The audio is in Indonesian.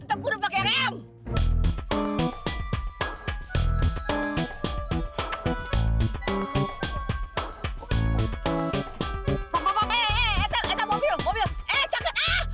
entar gue udah pake rem